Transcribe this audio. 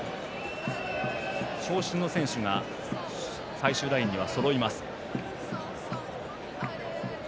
長身の選手が最終ラインにはそろいます。